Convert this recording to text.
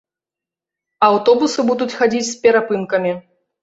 Аўтобусы будуць хадзіць з перапынкамі.